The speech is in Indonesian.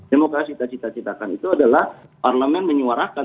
demokrasi yang kita cita citakan itu adalah parlamen menyuarakan